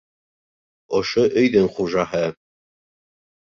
Ошо өйҙөң хужаһы.